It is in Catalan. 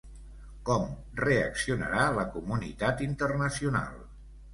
Com reaccionarà la comunitat internacional?